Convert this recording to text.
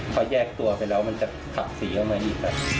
พอแยกตัวไปแล้วมันจะขับสีเข้ามาอีกแบบ